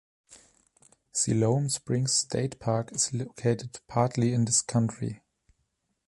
Siloam Springs State Park is located partly in this county.